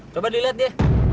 coba dilihat dia